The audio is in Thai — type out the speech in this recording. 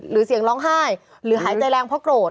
หรือเสียงร้องไห้หรือหายใจแรงเพราะโกรธ